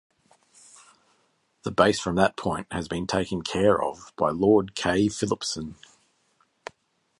The bass from that point has been taken care of by Lord K Philipson.